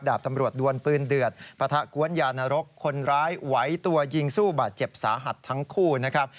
ตำรวจดวนปืนเดือดปะทะกวนยานรกคนร้ายไหวตัวยิงสู้บาดเจ็บสาหัสทั้งคู่นะครับ